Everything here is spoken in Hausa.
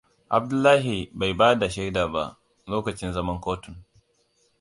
Abdullahi bai bada shaida ba, lokacin zaman kotun.